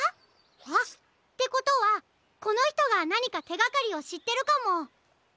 あっ！ってことはこのひとがなにかてがかりをしってるかも！